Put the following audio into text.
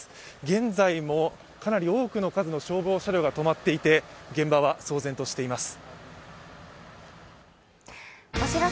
現在もかなり多くの数の消防車両が止まっていて、現場は騒然としています。